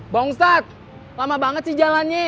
bawang ustadz lama banget sih jalannya